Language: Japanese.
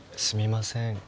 すみません。